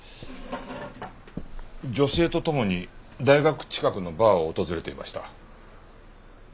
女性と共に大学近くのバーを訪れていました。